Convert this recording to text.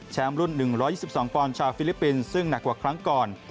รุ่น๑๒๒ปอนด์ชาวฟิลิปปินส์ซึ่งหนักกว่าครั้งก่อน